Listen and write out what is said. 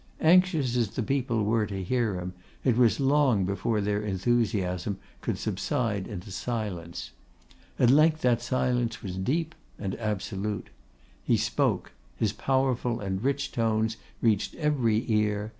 Anxious as the people were to hear him, it was long before their enthusiasm could subside into silence. At length that silence was deep and absolute. He spoke; his powerful and rich tones reached every ear.